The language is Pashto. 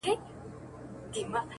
کابل منتر وهلی؛